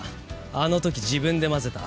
あの時自分で混ぜた。